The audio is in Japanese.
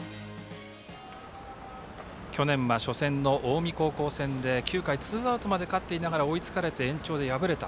去年は初戦の近江高校戦で９回ツーアウトまで勝っていながら追いつかれて延長で敗れた。